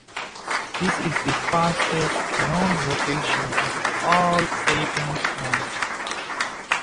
This is the fastest known rotation of all of Saturn's moons.